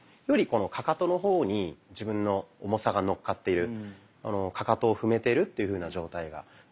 よりこのかかとの方に自分の重さがのっかっているかかとを踏めているというふうな状態が。